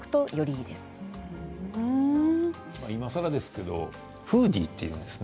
いまさらですけどフーディーって言うんですね。